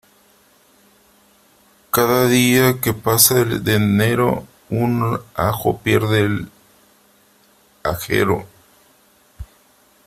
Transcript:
Cada día que pasa de enero, un ajo pierde el ajero.